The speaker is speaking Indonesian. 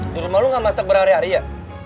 di rumah lu gak masak berhari hari ya